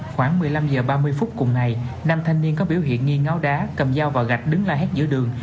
khoảng một mươi năm h ba mươi phút cùng ngày năm thanh niên có biểu hiện nghi ngáo đá cầm dao và gạch đứng la hét giữa đường